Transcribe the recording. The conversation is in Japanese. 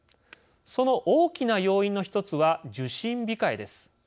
その大きな要因の１つは「受診控え」です。